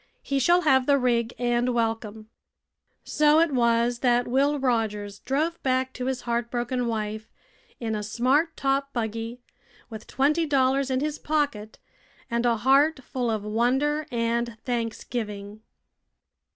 He shall have the rig and welcome." So it was that Will Rogers drove back to his heartbroken wife in a smart top buggy, with twenty dollars in his pocket and a heart full of wonder and thanksgiving.